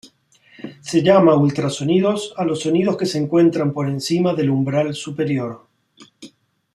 Se llama ultrasonidos a los sonidos que se encuentran por encima del umbral superior.